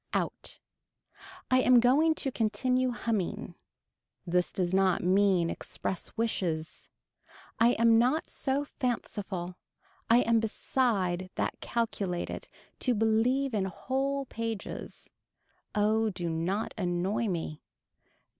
Out. I am going to continue humming. This does not mean express wishes. I am not so fanciful. I am beside that calculated to believe in whole pages. Oh do not annoy me.